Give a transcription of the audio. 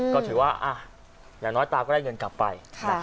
ก็ถือว่าอย่างน้อยตาก็ได้เงินกลับไป